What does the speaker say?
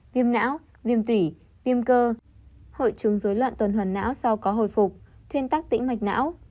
viêm não viêm tủy viêm cơ hội chứng dối loạn tuần hoàn não sau có hồi phục thuyên tắc tĩnh mạch não